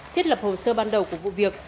thiết lập hồ sơ ban đầu của vụ việc